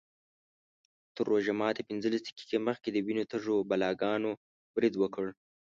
تر روژه ماتي پینځلس دقیقې مخکې د وینو تږو بلاګانو برید وکړ.